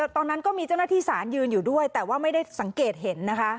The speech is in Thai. ตอนนั้นก็มีเจ้าหน้าที่ศาลยืนอยู่ด้วยแต่ว่าไม่ได้สังเกตเห็นนะคะ